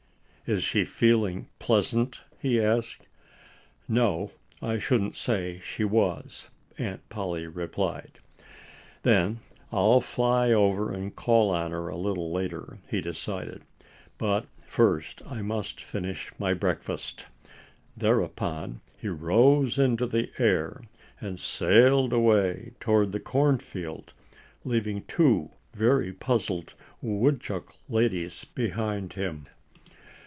"Is she feeling pleasant?" he asked. "No, I shouldn't say she was," Aunt Polly replied. "Then I'll fly over and call on her a little later," he decided. "But first I must finish my breakfast." Thereupon he rose into the air and sailed away toward the cornfield, leaving two very puzzled Woodchuck ladies behind him.